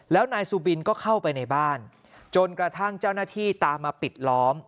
แล้วนายสุบินก็เข้าไปในบ้านจนกระทั่งเจ้าหน้าที่ตามมาปิดล้อม